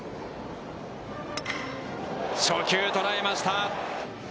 初球、捉えました。